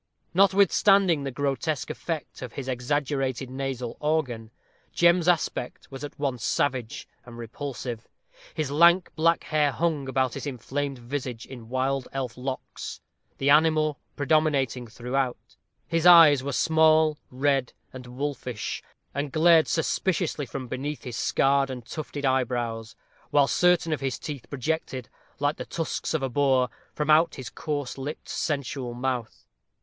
Notwithstanding the grotesque effect of his exaggerated nasal organ, Jem's aspect was at once savage and repulsive; his lank black hair hung about his inflamed visage in wild elf locks, the animal predominating throughout; his eyes were small, red, and wolfish, and glared suspiciously from beneath his scarred and tufted eyebrows; while certain of his teeth projected, like the tusks of a boar, from out his coarse lipped, sensual mouth.